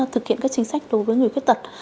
thực hiện các chính sách đối với người khuyết tật